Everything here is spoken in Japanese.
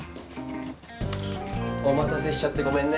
お待たせしちゃってごめんね。